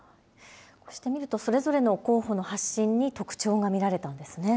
こうして見るとそれぞれの候補の発信に特徴が見られたんです